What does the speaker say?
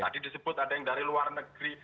tadi disebut ada yang dari luar negeri